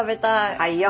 はいよ。